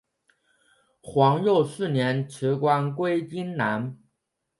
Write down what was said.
皇佑四年辞官归荆南。